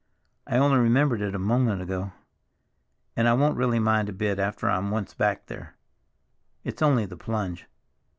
I only remembered it a moment ago. And I won't really mind a bit after I'm once back there—it's only the plunge.